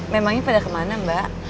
memangnya pada kemana mbak